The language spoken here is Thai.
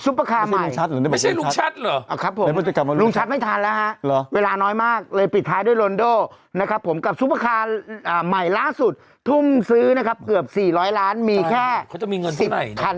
ซุปเปอร์ค้าใหม่ไม่ใช่ลงชัตร์หรอครับผมลงชัตร์ไม่ทัน